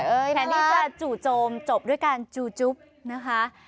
แทนที่จะจู่โจมจบด้วยการจูจุ๊บนะคะ